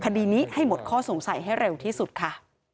คดีนี้ให้หมดข้อสงสัยให้เร็วที่สุดค่ะ